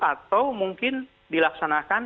atau mungkin dilaksanakan